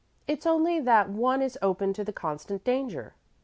It's only that one is open to the constant danger."